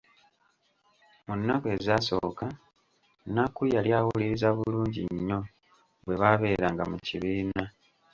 Mu nnaku ezasooka, Nnakku yali awuliriza bulungi nnyo bwe baabeeranga mu kibiina.